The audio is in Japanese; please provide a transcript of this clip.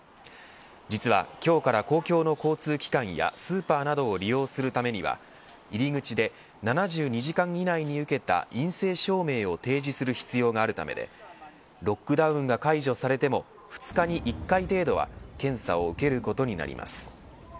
実は今日から、公共の交通機関やスーパーなどを利用するためには入り口で、７２時間以内に受けた陰性証明を提示する必要があるためでロックダウンが解除されても２日に１回程度は検査を受けることになります。